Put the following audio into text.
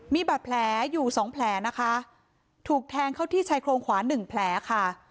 มีบาดแผลอยู่สองแผลนะคะถูกแทงเข้าที่ชายโครงขวาหนึ่งแผลค่ะ